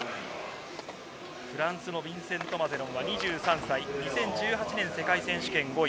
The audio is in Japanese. フランスのビンセント・マゼロン２３歳、２０１８年世界選手権５位。